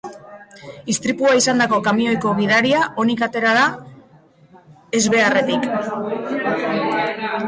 Istripua izandako kamioiko gidaria onik otera da ezbeharretik.